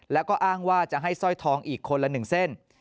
แล้วก็อ้างว่าจะให้สร้อยทองอีกคนละ๑เส้น